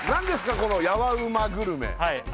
この「ヤワうまグルメ」